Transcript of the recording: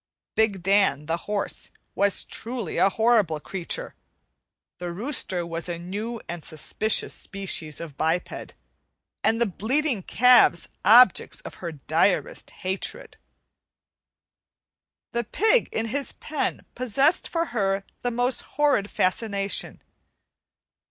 Big Dan, the horse, was truly a horrible creature; the rooster was a new and suspicious species of biped, and the bleating calves objects of her direst hatred. The pig in his pen possessed for her the most horrid fascination.